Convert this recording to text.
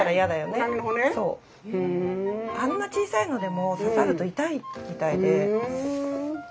あんな小さいのでも刺さると痛いみたいで。